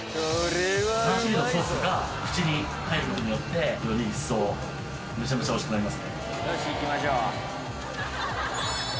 ３種類のソースが口に入ることによってより一層めちゃめちゃおいしくなります。